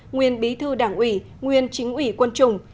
nguyên bí thư đảng ủy nguyên chính ủy quân chủng